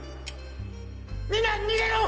みんな逃げろ！！